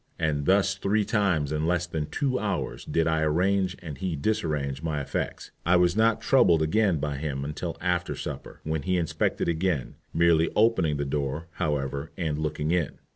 And thus three times in less than two hours did I arrange and he disarrange my effects. I was not troubled again by him till after supper, when he inspected again, merely opening the door, however, and looking in.